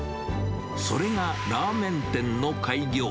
それがラーメン店の開業。